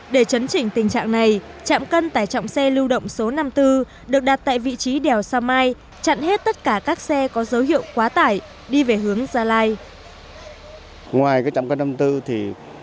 để chấn chỉnh tình trạng này chạm cân tải trọng xe lưu động số năm mươi bốn được đặt tại vị trí đèo sao mai chặn hết tất cả các xe có dấu hiệu quá tải đi về hướng gia lai